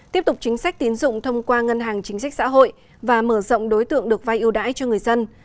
tiếp tục chính sách tiến dụng thông qua ngân hàng chính sách xã hội và mở rộng đối tượng được vai ưu đãi cho người dân